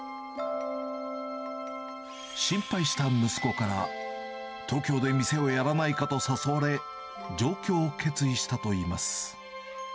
心配した息子から、東京で店をやらないかと誘われ、状況を決意したといいます。